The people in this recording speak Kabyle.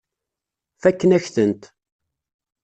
Fakken-ak-tent.